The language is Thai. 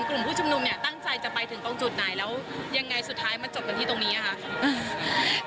กลุ่มผู้ชุมนุมเนี่ยตั้งใจจะไปถึงตรงจุดไหนแล้วยังไงสุดท้ายมาจบกันที่ตรงนี้ค่ะ